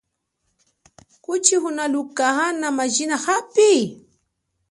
Kuchi unaluka ana majina api?